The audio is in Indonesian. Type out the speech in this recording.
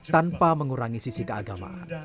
tanpa mengurangi sisi keagamaan